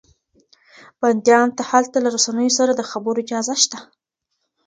بنديانو ته هلته له رسنيو سره د خبرو اجازه شته.